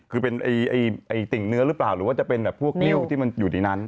คือเป็นติ่งเนื้อหรือเปล่าหรือว่าจะเป็นแบบพวกนิ้วที่มันอยู่ในนั้น